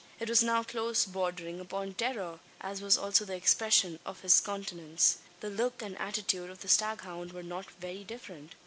It was now close bordering upon terror as was also the expression of his countenance. The look and attitude of the staghound were not very different.